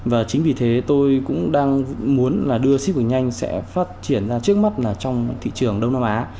và chính vì thế tôi cũng đang muốn là đưa xip cực nhanh sẽ phát triển ra trước mắt là trong thị trường đông nam á